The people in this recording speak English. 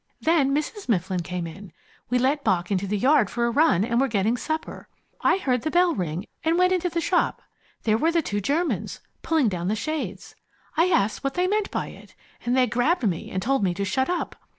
Then Mrs. Mifflin came in. We let Bock into the yard for a run, and were getting supper. I heard the bell ring, and went into the shop. There were the two Germans, pulling down the shades. I asked what they meant by it, and they grabbed me and told me to shut up.